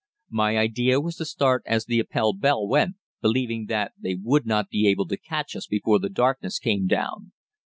My idea was to start as the Appell bell went, believing that they would not be able to catch us before the darkness came down.